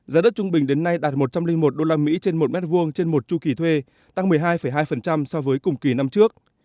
giá đất trung bình đến nay đạt một trăm linh một usd trên một m hai trên một chu kỳ thuê tăng một mươi hai hai so với cùng kỳ năm trước